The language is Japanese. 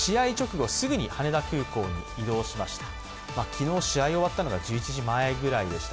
昨日、試合が終わったのが１１時前ぐらいでした。